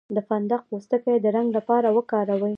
د فندق پوستکی د رنګ لپاره وکاروئ